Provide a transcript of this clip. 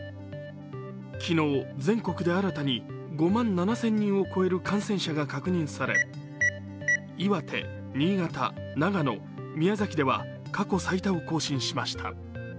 昨日、全国で新たに５万７０００人を超える感染者が確認され、岩手、新潟、長野、宮崎では過去最多を更新しました。